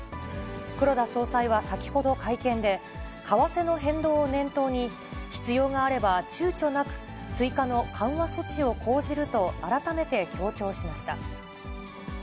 黒田総裁は先ほど会見で、為替の変動を念頭に、必要があれば、ちゅうちょなく追加の緩和策を講じると改めて強調しました。